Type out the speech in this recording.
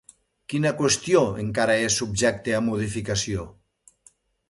Quina qüestió encara és subjecte a modificació?